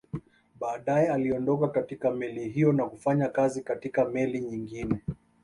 Baadae aliondoka katika meli hiyo na kufanya kazi katika meli nyingine